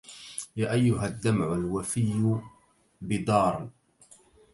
يا أيها الدمع الوفي بدار